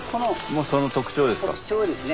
もうその特徴ですか？